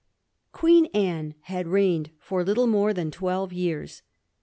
Queen Anne had reigned for little more than twelve years.